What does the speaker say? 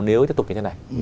mới tiếp tục như thế này